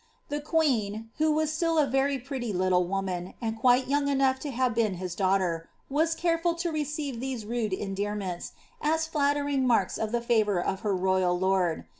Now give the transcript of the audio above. The queen, who was still a very pretty little woman, id quite young enough to have been his daughter, was careful to re ive these rude endearnimts, as flattering marks of the favour of her yal lord.